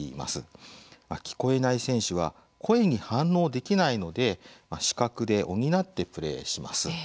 聞こえない選手は声に反応できないので視覚で補ってプレーします。